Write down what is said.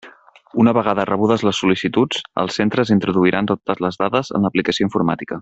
Una vegada rebudes les sol·licituds, els centres introduiran totes les dades en l'aplicació informàtica.